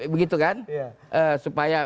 begitu kan supaya